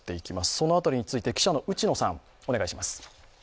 その辺りについて、記者の内野さん、お願いします。